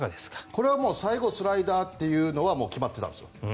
これはもう最後、スライダーというのは決まってたんですよ。